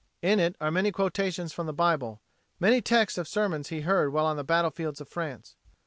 In it are many quotations from the Bible; many texts of sermons he heard while on the battlefields of France.